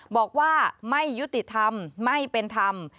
บอกว่าไม่ยุติธรรมไม่เป็นธรรม